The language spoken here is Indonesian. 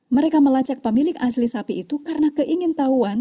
mereka melacak pemilik asli sapi itu karena keingin tahuan